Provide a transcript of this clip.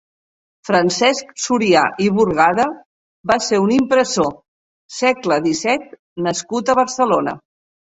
Francesc Surià i Burgada va ser un impressor, segle disset nascut a Barcelona.